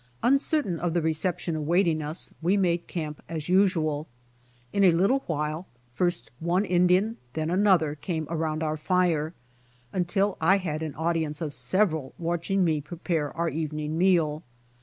Uncertain of the reception awaiting us, we made camp as usual. In a little while first one Indian then another came around our fire, until I had an audience of several watching me prepare our evening meal.